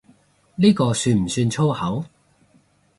呢個算唔算粗口？